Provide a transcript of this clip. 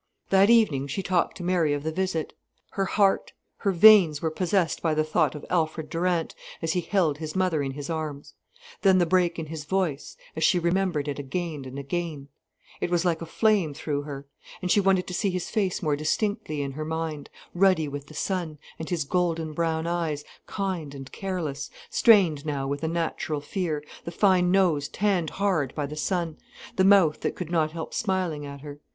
That evening she talked to Mary of the visit. Her heart, her veins were possessed by the thought of Alfred Durant as he held his mother in his arms; then the break in his voice, as she remembered it again and again, was like a flame through her; and she wanted to see his face more distinctly in her mind, ruddy with the sun, and his golden brown eyes, kind and careless, strained now with a natural fear, the fine nose tanned hard by the sun, the mouth that could not help smiling at her.